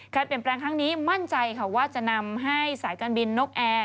เปลี่ยนแปลงครั้งนี้มั่นใจค่ะว่าจะนำให้สายการบินนกแอร์